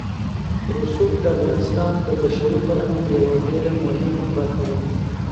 رسوب د افغانستان د بشري فرهنګ یوه ډېره مهمه برخه ده.